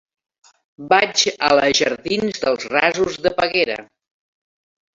Vaig a la jardins dels Rasos de Peguera.